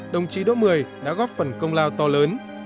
đồng chí đỗ mười đã góp phần công lao to lớn